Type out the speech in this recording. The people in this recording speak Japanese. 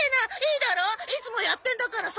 いつもやってんだからさ！